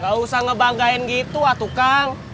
gak usah ngebanggain gitu tukang